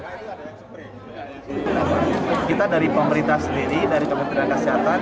kita dari pemerintah sendiri dari kementerian kesehatan